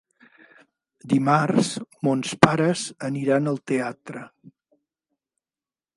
Dimarts mons pares aniran al teatre.